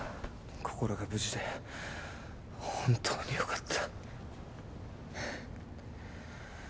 こころが無事で本当によかった。